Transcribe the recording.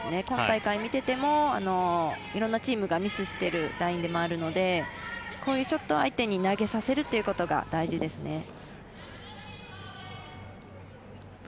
今大会、見ててもいろんなチームがミスしているラインでもあるのでこういうショットを相手に投げさせるということが大事ですね。